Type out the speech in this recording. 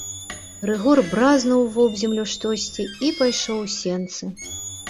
Рыгор бразнуў вобземлю штосьці і пайшоў у сенцы.